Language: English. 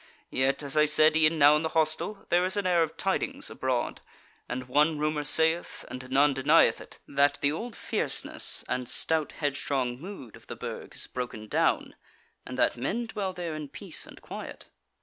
Yet, as I said e'en now in the hostel, there is an air of tidings abroad, and one rumour sayeth, and none denieth it, that the old fierceness and stout headstrong mood of the Burg is broken down, and that men dwell there in peace and quiet."